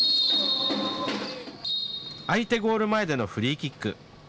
相手ゴール前でのフリーキック。